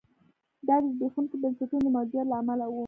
دا د زبېښونکو بنسټونو د موجودیت له امله و.